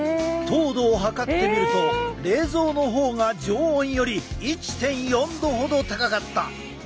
糖度を測ってみると冷蔵の方が常温より１．４度ほど高かった。